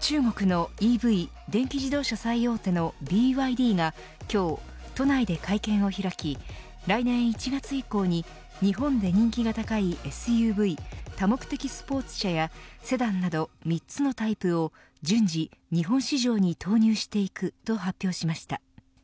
中国のＥＶ電気自動車最大手のＢＹＤが今日、都内で会見を開き来年１月以降に日本で人気が高いＳＵＶ多目的スポーツ車やセダンなど３つのタイプを順次、日本市場に投入していくと発表しました。